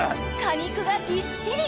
果肉がぎっしり！